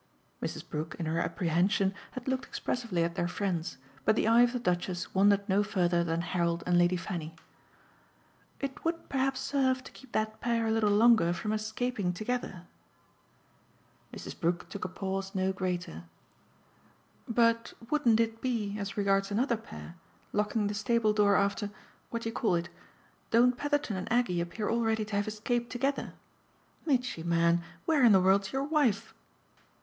Mrs. Brook, in her apprehension, had looked expressively at their friends, but the eye of the Duchess wandered no further than Harold and Lady Fanny. "It would perhaps serve to keep that pair a little longer from escaping together." Mrs. Brook took a pause no greater. "But wouldn't it be, as regards another pair, locking the stable door after what do you call it? Don't Petherton and Aggie appear already to have escaped together? Mitchy, man, where in the world's your wife?"